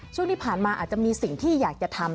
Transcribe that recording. ช่วงที่ผ่านมาอาจจะมีสิ่งที่อยากจะทำ